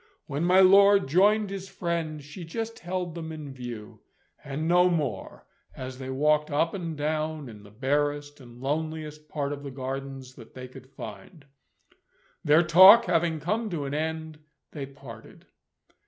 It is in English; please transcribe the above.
When my lord joined his friend, she just held them in view, and no more, as they walked up and down in the barest and loneliest part of the Gardens that they could find. Their talk having come to an end, they parted.